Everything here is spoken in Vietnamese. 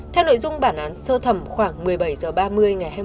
theo nội dung bản án sơ thẩm khoảng một mươi bảy h ba mươi ngày hai mươi ba h